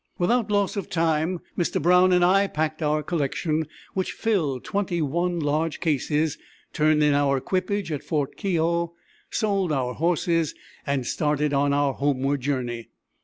Without loss of time Mr. Brown and I packed our collection, which tilled twenty one large cases, turned in our equipage at Fort Keogh, sold our horses, and started on our homeward journey.